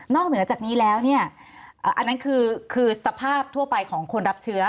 เหนือจากนี้แล้วเนี่ยอันนั้นคือสภาพทั่วไปของคนรับเชื้อ